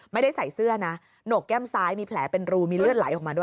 ไม่ได้ใส่เสื้อนะโหนกแก้มซ้ายมีแผลเป็นรูมีเลือดไหลออกมาด้วย